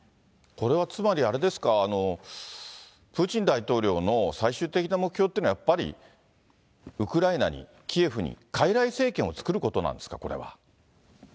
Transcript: これはつまり、あれですか、プーチン大統領の最終的な目標というのはやっぱり、ウクライナに、キエフに、かいらい政権を作ることなんですか、これは。